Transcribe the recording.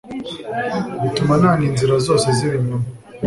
bituma nanga inzira zose z’ibinyoma